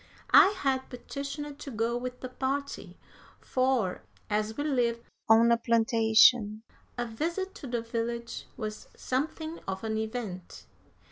I had petitioned to go with the party, for, as we lived on a plantation, a visit to the village was something of an event.